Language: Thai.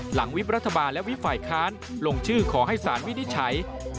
วิบรัฐบาลและวิบฝ่ายค้านลงชื่อขอให้สารวินิจฉัย